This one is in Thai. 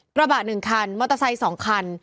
กระบะ๑คันมอเตอร์ไซค์๒คัน